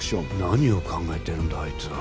何を考えてるんだあいつは